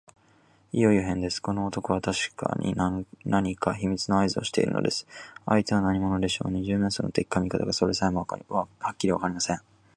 いよいよへんです。この男はたしかに何か秘密のあいずをしているのです。相手は何者でしょう。二十面相の敵か味方か、それさえもはっきりわかりません。